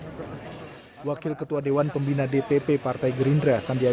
dan wakil ketua umum fahri hamzah ikut ke sana